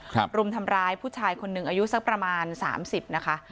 กลุ่มทำร้ายผู้ชายคนหนึ่งอายุสักประมาณ๓๐นะคะ